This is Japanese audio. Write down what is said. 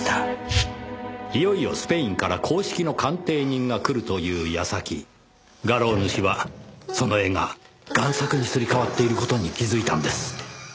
いよいよスペインから公式の鑑定人が来るという矢先画廊主はその絵が贋作にすり替わっている事に気づいたんです。